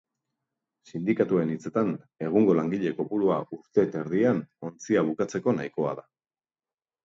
Sindikatuen hitzetan, egungo langile kopurua urte eta erdian ontzia bukatzeko nahikoa da.